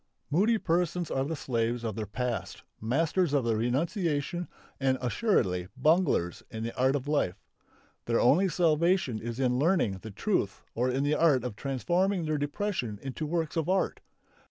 Moody persons are the slaves of their past, masters of renunciation and assuredly bunglers in the art of life. Their only salvation is in learning the truth or in the art of transforming their depression into works of art.